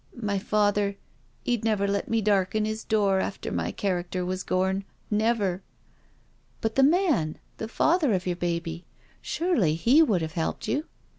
" My father — 'e'd never let me darken 'is doors after my character was gorn — never I" " But thei man ••• the father of your baby? Surely he would have helped you?"